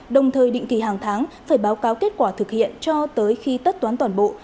đồng thời định kỳ hàng tháng phải báo cáo kết quả thực hiện cho tới khi tất toán toàn bộ